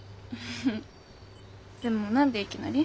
でも何でいきなり？